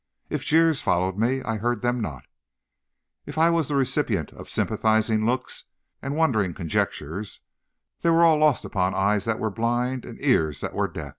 If jeers followed me, I heard them not; if I was the recipient of sympathizing looks and wondering conjectures, they were all lost upon eyes that were blind and ears that were deaf.